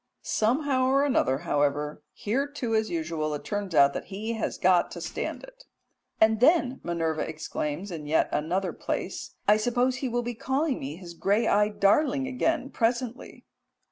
Somehow or another, however, here too as usual it turns out that he has got to stand it. "And then," Minerva exclaims in yet another place (VIII. 373), "I suppose he will be calling me his grey eyed darling again, presently."